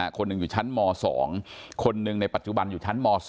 คนหนึ่งอยู่ชั้นม๒คนหนึ่งในปัจจุบันอยู่ชั้นม๔